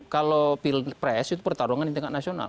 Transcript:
kalau pil pres itu pertarungan di tengah nasional